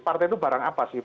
partai itu barang apa sih